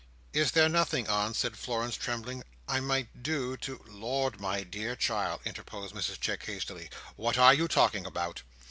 "Is there nothing, aunt," said Florence, trembling, "I might do to—" "Lord, my dear child," interposed Mrs Chick, hastily, "what are you talking about?